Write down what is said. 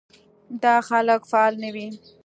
دا خلک فعال نه وي.